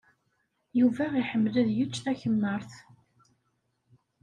Yuba iḥemmel ad yečč takemmart.